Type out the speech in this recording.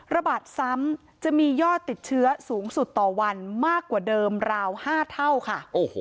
ระบาดซ้ำจะมียอดติดเชื้อสูงสุดต่อวันมากกว่าเดิมราว๕เท่าค่ะ